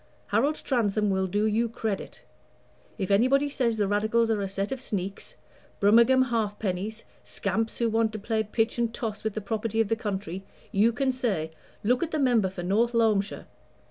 Harold Transome will do you credit; if anybody says the Radicals are a set of sneaks, Brummagem half pennies, scamps who want to play pitch and toss with the property of the country, you can say, 'Look at the member for North Loamshire!'